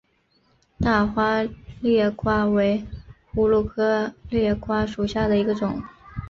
大花裂瓜为葫芦科裂瓜属下的一个种。